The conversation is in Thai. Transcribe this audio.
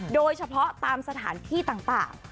โดยเฉพาะตามสถานที่ต่าง